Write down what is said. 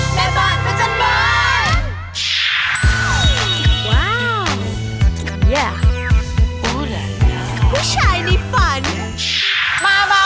แม่บ้านพันธ์บ้าน